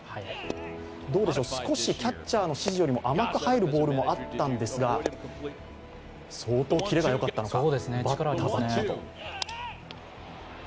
少しキャッチャーの指示よりも甘く入るボールもあったんですが、相当キレがよかったのか、バッタバッタと。